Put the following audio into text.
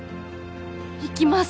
行きます。